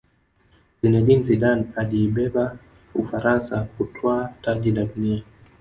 zinedine zidane aliibeba ufaransa kutwaa taji la dunia